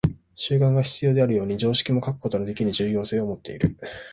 習慣が必要であるように、常識も欠くことのできぬ重要性をもっている。